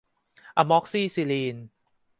อะม็อกซี่ซิลีน